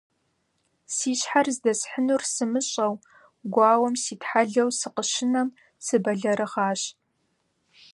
Си щхьэр здэсхьынур сымыщӀэу, гуауэм ситхьэлэу сыкъыщынэм, сыбэлэрыгъащ.